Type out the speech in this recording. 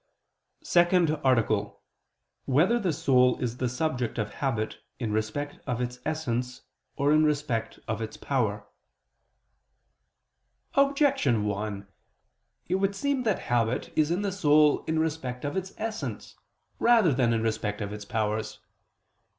________________________ SECOND ARTICLE [I II, Q. 50, art. 2] Whether the Soul Is the Subject of Habit in Respect of Its Essence or in Respect of Its Power? Objection 1: It would seem that habit is in the soul in respect of its essence rather than in respect of its powers.